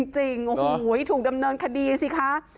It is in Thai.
จริงโอ้โหถูกดำเนินคดีสิคะ